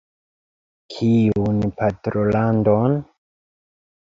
Kiun patrolandon?